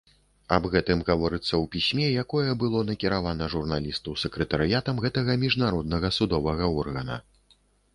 Аб гэтым гаворыцца ў пісьме, якое было накіравана журналісту сакратарыятам гэтага міжнароднага судовага органа.